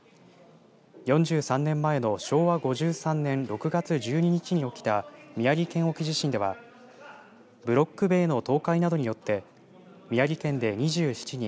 ４３年前の昭和５３年６月１２日に起きた宮城県沖地震ではブロック塀の倒壊などによって宮城県で２７人